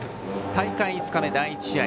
大会５日目、第１試合。